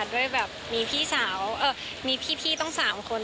ด้วยแบบมีพี่สาวมีพี่ต้อง๓คน